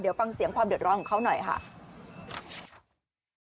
เดี๋ยวฟังเสียงความเดือดร้อนของเขาหน่อยค่ะ